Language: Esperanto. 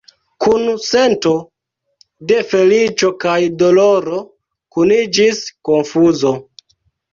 Kun sento de feliĉo kaj doloro kuniĝis konfuzo.